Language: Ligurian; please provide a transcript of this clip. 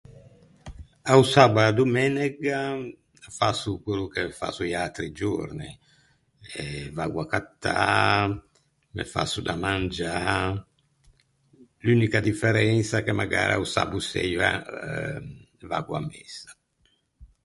A-o sabbo e a-a domenega fasso quello che fasso i atri giorni. Eh, vaggo à accattâ, me fasso da mangiâ... L'unica differensa che magara o sabbo seia vaggo à messa.